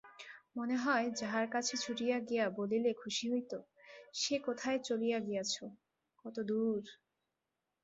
মনে হয় যাহার কাছে ছুটিয়া গিয়া বলিলে খুশি হইত, সে কোথায় চলিয়া গিয়াছো-কতদূর!